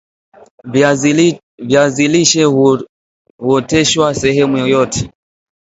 viazi lishe huoteshwa sehemu yoyote